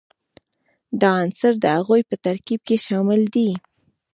دا عنصر د هغوي په ترکیب کې شامل دي.